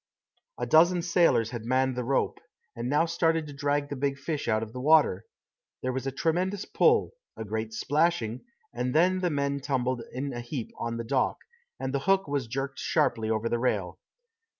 A dozen sailors had manned the rope, and now started to drag the big fish out of the water. There was a tremendous pull, a great splashing, and then the men tumbled in a heap on the dock, and the hook was jerked sharply over the rail.